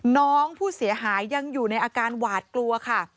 น้องผู้เสียหายยังอยู่ในอาการหวาดกลัวค่ะ